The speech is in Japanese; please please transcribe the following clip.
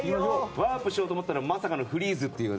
ワープしようと思ったらまさかのフリーズって。